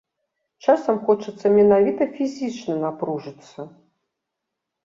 Часам хочацца менавіта фізічна напружыцца.